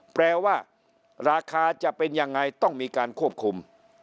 แปลว่าราคาจะเป็นยังไงต้องมีการควบคุม